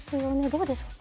どうでしょう？